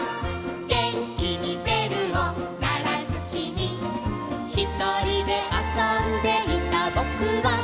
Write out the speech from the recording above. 「げんきにべるをならすきみ」「ひとりであそんでいたぼくは」